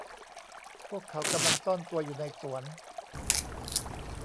พวกเขากำลังซ่อนตัวอยู่ในสวน